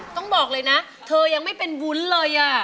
ต้องบอกเลยนะเธอยังไม่เป็นวุ้นเลย